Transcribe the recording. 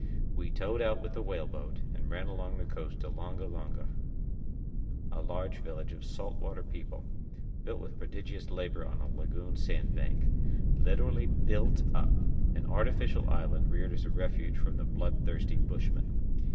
We towed out with the whale boat, and ran along the coast to Langa Langa, a large village of salt water people, built with prodigious labour on a lagoon sand bank—literally built up, an artificial island reared as a refuge from the blood thirsty bushmen.